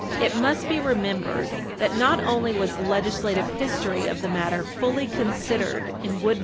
It must be remembered that not only was the legislative history of the matter fully considered in Wood v.